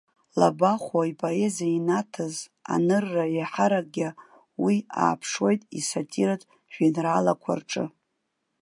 Лабахәуа ипоезиа инаҭаз анырра, еиҳаракгьы уи ааԥшуеит исатиратә жәеинраалақәа рҿы.